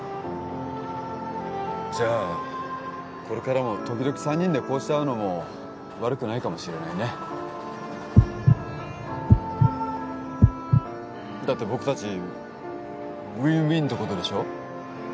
じゃあこれからも時々三人でこうして会うのも悪くないかもしれないねだって僕達ウィンウィンってことでしょう？